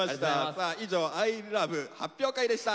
さあ以上「ＩＬＯＶＥ発表会」でした。